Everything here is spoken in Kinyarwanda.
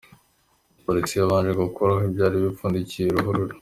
Polisi yabanje gukuraho ibyari bipfundikiye ruhurura.